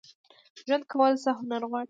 ژوند کول څه هنر غواړي؟